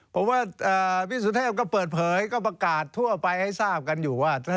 ผมว่าพี่สุเทพก็เปิดเผยก็ประกาศทั่วไปให้ทราบกันอยู่ว่า